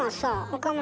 岡村